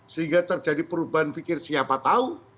sehingga terjadi perubahan pikir siapa tahu